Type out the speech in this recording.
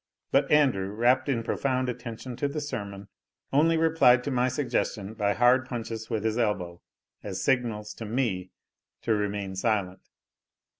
But Andrew, wrapped in profound attention to the sermon, only replied to my suggestion by hard punches with his elbow, as signals to me to remain silent.